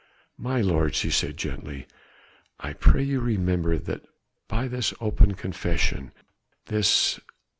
"My lord," she said gently, "I pray you to remember that by this open confession this